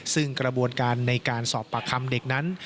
ซึ่งกระบวนการในการสอบปากคำเด็กนั้น